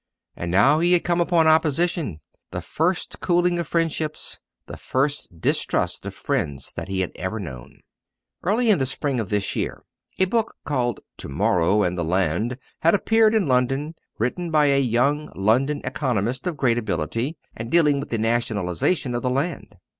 And now he had come upon opposition the first cooling of friendships, the first distrust of friends that he had ever known. Early in the spring of this year a book called To morrow and the Land had appeared in London, written by a young London economist of great ability, and dealing with the nationalisation of the land.